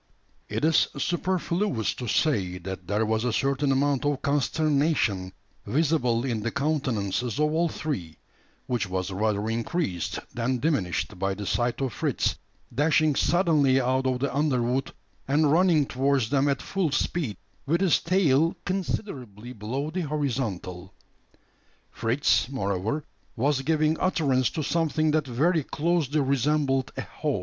It is superfluous to say, that there was a certain amount of consternation visible in the countenances of all three; which was rather increased than diminished by the sight of Fritz dashing suddenly out of the underwood, and running towards them at full speed, with his tail considerably below the horizontal. Fritz, moreover, was giving utterance to something that very closely resembled a howl.